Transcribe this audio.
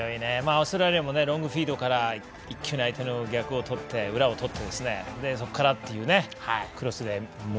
オーストラリアもロングフィードから相手の裏をとってそこからっていうクロスで。